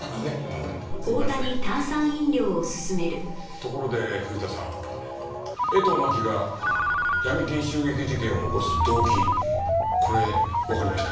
ところで藤田さん江藤真紀が闇金襲撃事件を起こす動機これわかりました？